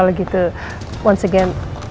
saya sangat menghargainya